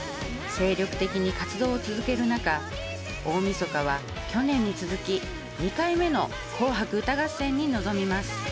精力的に活動を続ける中大みそかは去年に続き２回目の「紅白歌合戦」に臨みます。